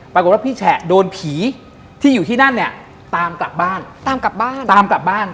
ปรากฏว่าพี่แฉะโดนผีที่อยู่ที่นั่นตามกลับบ้าน